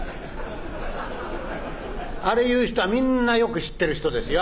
あれ言う人はみんなよく知ってる人ですよあれは。